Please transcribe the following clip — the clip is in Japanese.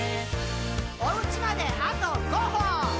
「おうちまであと５歩！」